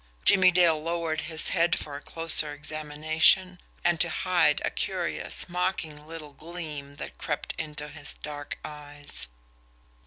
Jimmie Dale lowered his head for a closer examination and to hide a curious, mocking little gleam that crept into his dark eyes.